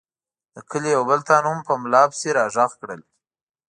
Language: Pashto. د کلي یو بل تن هم په ملا پسې را غږ کړل.